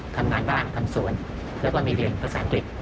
ทำงานบ้านทำสวนเพราะมีเรียนประสานกรีก